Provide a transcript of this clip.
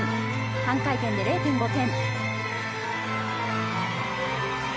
半回転で０．５点。